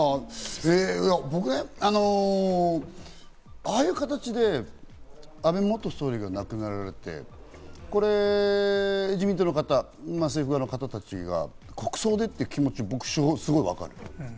僕ね、ああいう形で安倍元総理が亡くなられて、自民党の方たちが国葬でという気持ち、僕、すごくわかる。